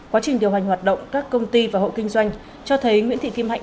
quá trình điều hành hoạt động các công ty và hộ kinh doanh cho thấy nguyễn thị kim hạnh